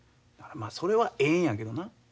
まあそれはええんやけどな。